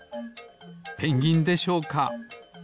ペンギンでしょうか？